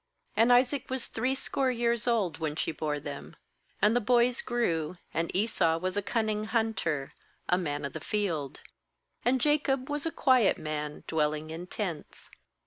And Isaac was threescore years old when she bore them. 27And the boys grew; and Esau was a cun ning hunter, a man of the field; and Jacob was a quiet man, dwelling hi tents.